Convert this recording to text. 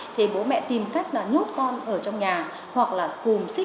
thì bố mẹ tìm cách là nhốt con ở trong nhà hoặc là cùng